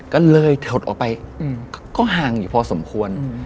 ก็เลยถดออกไปก็ห่างอยู่พอสมควร